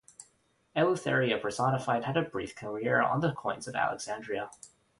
Eleutheria personified had a brief career on coins of Alexandria.